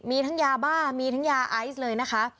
มีทั้งยาบ้ามีทั้งยาไอซ์เลยนะคะ